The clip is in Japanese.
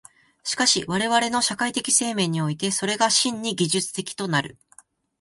しかし我々の社会的生命において、それが真に技術的となる。